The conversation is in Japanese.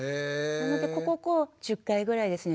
ここを１０回ぐらいですね